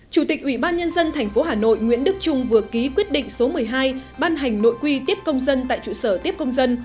chủ tịch ủy ban nhân dân tp hà nội nguyễn đức trung vừa ký quyết định số một mươi hai ban hành nội quy tiếp công dân tại trụ sở tiếp công dân